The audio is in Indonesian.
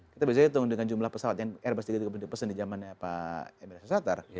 kita bisa hitung dengan jumlah pesawat yang airbus a tiga ratus tiga puluh pesen di zamannya pak emil s satar